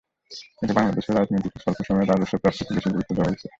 কিন্তু বাংলাদেশে করনীতিতে স্বল্প সময়ের রাজস্ব প্রাপ্তিকে বেশি গুরুত্ব দেওয়া হচ্ছে।